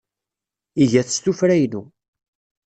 Iga-t s tuffra-inu.